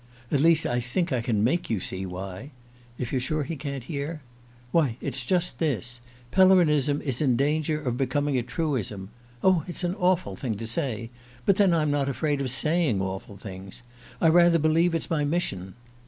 "At least I think I can make you see why. (If you're sure he can't hear?) Why, it's just this Pellerinism is in danger of becoming a truism. Oh, it's an awful thing to say! But then I'm not afraid of saying awful things! I rather believe it's my mission.